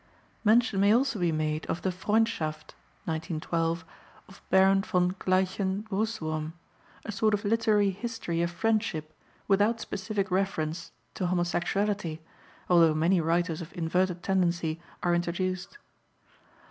Mention may also be made of the Freundschaft (1912) of Baron von Gleichen Russwurm, a sort of literary history of friendship, without specific reference to homosexuality, although many writers of inverted tendency are introduced.